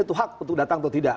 itu hak untuk datang atau tidak